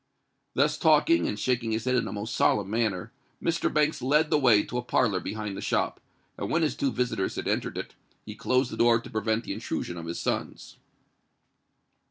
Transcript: Thus talking, and shaking his head in a most solemn manner, Mr. Banks led the way to a parlour behind the shop: and when his two visitors had entered it, he closed the door to prevent the intrusion of his sons.